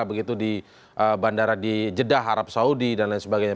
begitu di bandara di jeddah arab saudi dan lain sebagainya